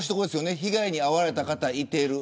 被害に遭われた方がいる。